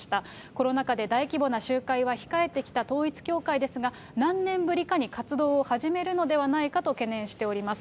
コロナ禍で大規模な集会は控えてきた統一教会ですが、何年ぶりかに活動を始めるのではないかと懸念しています。